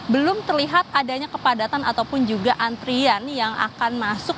belum terlihat adanya kepadatan ataupun juga antrian yang akan masuk